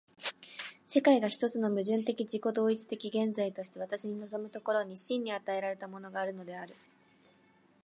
世界が一つの矛盾的自己同一的現在として私に臨む所に、真に与えられたものがあるのである。